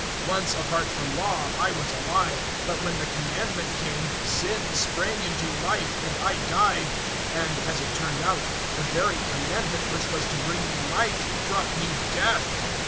007:009 Once, apart from Law, I was alive, but when the Commandment came, sin sprang into life, and I died; 007:010 and, as it turned out, the very Commandment which was to bring me life, brought me death.